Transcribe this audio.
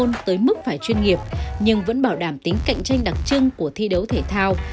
thể thao giải trí không tới mức phải chuyên nghiệp nhưng vẫn bảo đảm tính cạnh tranh đặc trưng của thi đấu thể thao